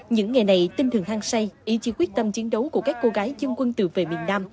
những ngày này tinh thường hăng say ý chí quyết tâm chiến đấu của các cô gái dân quân tự vệ miền nam